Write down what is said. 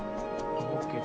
ＯＫ。